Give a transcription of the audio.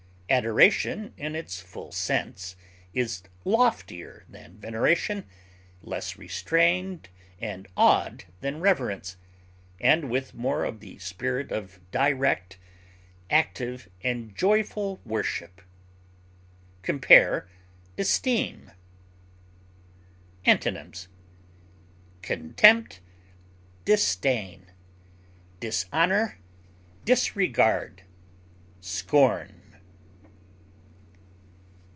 Adoration, in its full sense, is loftier than veneration, less restrained and awed than reverence, and with more of the spirit of direct, active, and joyful worship. Compare ESTEEM; VENERATE. Antonyms: contempt, disdain, dishonor, disregard, scorn.